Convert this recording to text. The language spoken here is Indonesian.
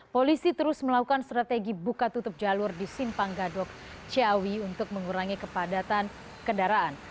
polisi terus melakukan strategi buka tutup jalur di simpang gadok ciawi untuk mengurangi kepadatan kendaraan